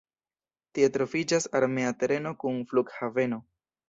Tie troviĝas armea tereno kun flughaveno.